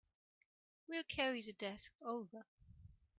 We'll carry the desk over.